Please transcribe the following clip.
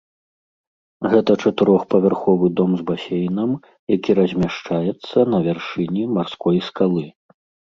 Гэта чатырохпавярховы дом з басейнам, які размяшчаецца на вяршыні марской скалы.